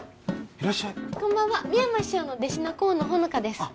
いらっしゃいこんばんは深山師匠の弟子の河野穂乃果ですあっ